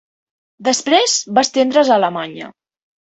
Després va estendre's a Alemanya.